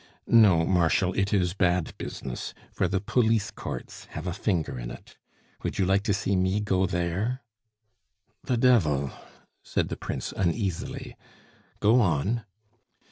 "No, Marshal; it is bad business, for the police courts have a finger in it. Would you like to see me go there?" "The devil!" said the Prince uneasily. "Go on!"